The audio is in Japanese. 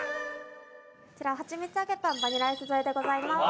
こちらはちみつ揚げパンバニラアイス添えでございます。